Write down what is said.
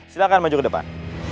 silahkan maju ke depan